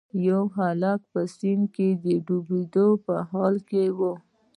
یو هلک په سیند کې د ډوبیدو په حال کې و.